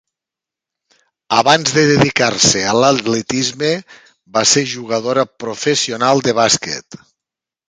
Abans de dedicar-se a l'atletisme va ser jugadora professional de bàsquet.